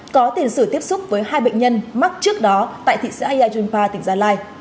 có tiền sử tiếp xúc với hai bệnh nhân mắc trước đó tại thị xã yajunpa tỉnh gia lai